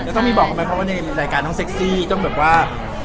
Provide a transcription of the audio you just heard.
ต้องมีบอกมั้ยเพราะว่าในรายการต้องสรรค์ซีต้องแบบว่า